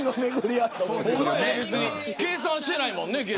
計算してないもんね。